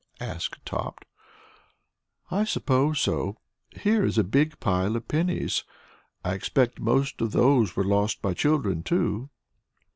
asked Tot. "I suppose so. Here is a big pile of pennies. I expect most of those were lost by children, too."